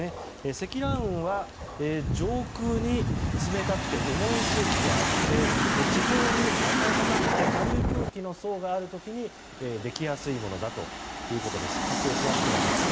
積乱雲は上空に冷たくて重い空気があって地上に暖かくて軽い空気の層がある時にできやすいもので発生しやすくなるものです。